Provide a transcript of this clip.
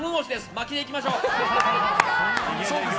巻きでいきましょう。